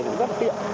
cũng rất là tiện